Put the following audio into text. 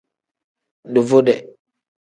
Duvude.